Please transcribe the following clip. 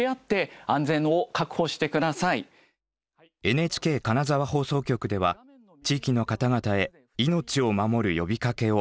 ＮＨＫ金沢放送局では地域の方々へ命を守る呼びかけを続けています。